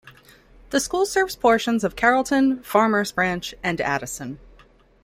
The school serves portions of Carrollton, Farmers Branch, and Addison.